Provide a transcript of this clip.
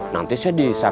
nanti saya disini